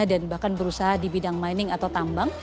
dan bahkan berusaha di bidang mining atau tambang